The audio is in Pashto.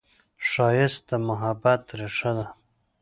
ښایست د محبت ریښه ده